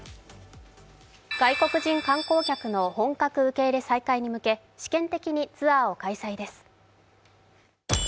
外国人観光客の本格受け入れ再開に向け試験的にツアーを開催です。